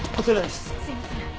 すみません。